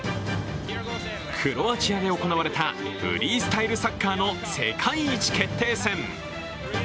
クロアチアで行われたフリースタイルサッカーの世界一決定戦。